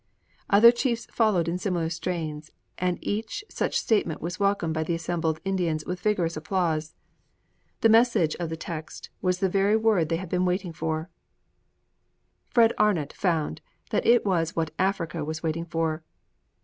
"' Other chiefs followed in similar strains; and each such statement was welcomed by the assembled Indians with vigorous applause. The message of the text was the very word that they had all been waiting for. Fred Arnot found that it was what Africa was waiting for!